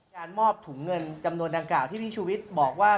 มอบถุงเงินจำนวนดังกล่าวที่พี่ชูวิทย์บอกว่า